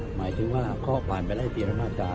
หมายถึงว่าข้อขวานไปเลยตีนานาจรา